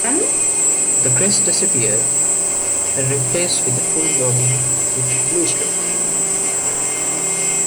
The crest disappeared and replaced with the full wording with blue strip.